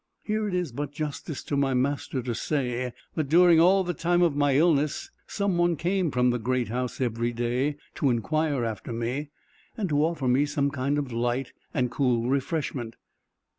Here it is but justice to my master to say, that during all the time of my illness, some one came from the great house every day to inquire after me, and to offer me some kind of light and cool refreshment.